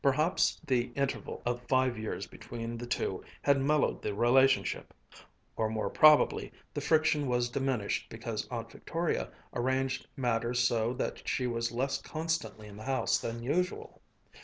Perhaps the interval of five years between the two had mellowed the relationship; or more probably the friction was diminished because Aunt Victoria arranged matters so that she was less constantly in the house than usual.